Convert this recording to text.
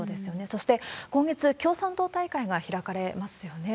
そして、今月、共産党大会が開かれますよね。